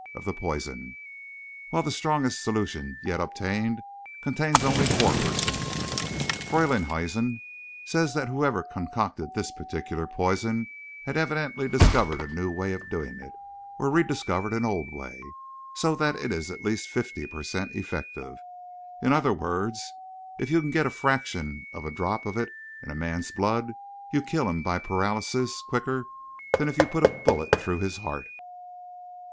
of the poison; while the strongest solution yet obtained contains only four per cent. Freylinghuisen says that whoever concocted this particular poison has evidently discovered a new way of doing it or rediscovered an old way so that it is at least fifty per cent. effective. In other words, if you can get a fraction of a drop of it in a man's blood, you kill him by paralysis quicker than if you put a bullet through his heart."